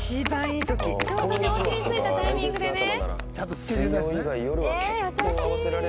ちゃんとスケジュール出してね。